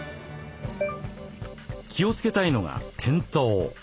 気をつけたいのが転倒。